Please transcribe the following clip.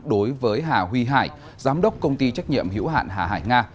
đối với hà huy hải giám đốc công ty trách nhiệm hiểu hạn hà hải nga